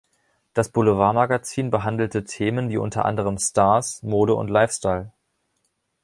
Das Boulevardmagazin behandelte Themen wie unter anderem Stars, Mode und Lifestyle.